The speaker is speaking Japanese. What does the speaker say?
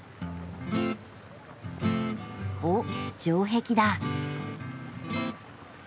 おっ城壁だ。